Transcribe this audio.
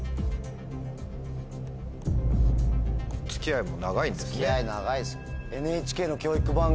付き合いも長いんですね。